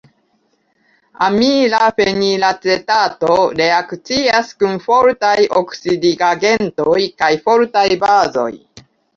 Amila fenilacetato reakcias kun fortaj oksidigagentoj kaj fortaj bazoj.